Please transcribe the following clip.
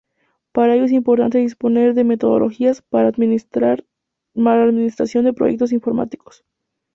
Para ello es importante disponer de metodologías para administración de proyectos informáticos.